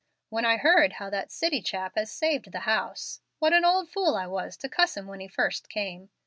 When I heard how that city chap as saved the house (what an old fool I was to cuss him when he first came!